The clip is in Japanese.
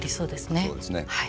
そうですね。